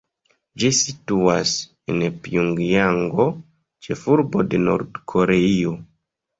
Ĝi situas en Pjongjango, ĉefurbo de Nord-Koreio.